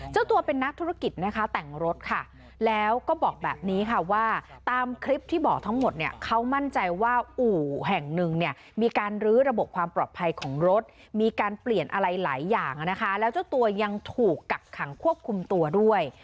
เจ้าตัวเป็นนักธุรกิจนะคะแต่งรถค่ะแล้วก็บอกแบบนี้ค่ะว่าตามคลิปที่บอกทั้งหมดเนี่ยเขามั่นใจว่าอู่แห่งหนึ่งเนี่ยมีการลื้อระบบความปลอดภัยของรถมีการเปลี่ยนอะไรหลายอย่างนะคะแล้วเจ้าตัวยังถูกกักขังควบคุมตัวด้วย